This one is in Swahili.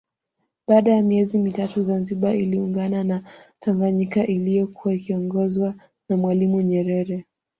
Baada ya miezi mitatu Zanzibar iliungana na Tanganyika iliyokuwa ikiongozwa na Mwalimu Nyerere